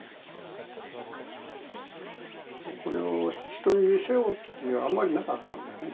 これを人に見せようっていうのはあんまりなかったんだよね